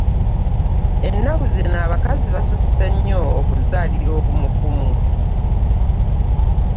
Ennaku zino abakazi basuse nnyo okuzalira okumukumu.